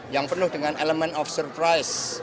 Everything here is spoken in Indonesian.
yang penuh dengan elemen of surprise